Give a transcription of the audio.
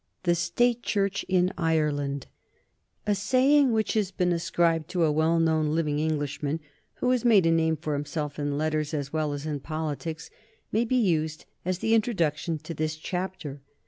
THE STATE CHURCH IN IRELAND. [Sidenote: 1832 "Dark Rosaleen"] A saying which has been ascribed to a well known living Englishman, who has made a name for himself in letters as well as in politics, may be used as the introduction to this chapter.